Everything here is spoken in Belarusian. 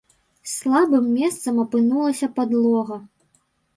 Слабым месцам апынулася падлога.